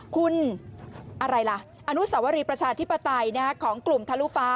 คุณอะไรล่ะอนุสาวรีประชาธิปไตยของกลุ่มทะลุฟ้า